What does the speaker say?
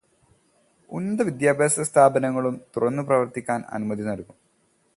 ഉന്നത വിദ്യാഭ്യാസസ്ഥാപനങ്ങളും തുറന്നു പ്രവര്ത്തിക്കാന് അനുമതി നല്കും.